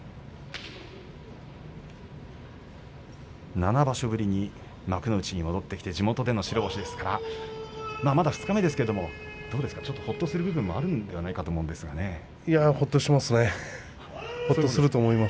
７場所ぶりに幕内に戻ってきて地元での白星ですからまだ二日目ですけれどどうですか、ちょっとほっとする部分もあるのではないかと思うんですがほっとしますねほっとすると思います。